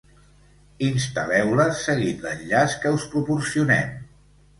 Instal·leu-les seguint l'enllaç que us proporcionem.